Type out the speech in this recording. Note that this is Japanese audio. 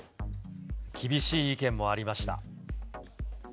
厳しい意見もありました。